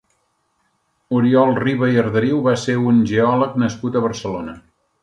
Oriol Riba i Arderiu va ser un geòleg nascut a Barcelona.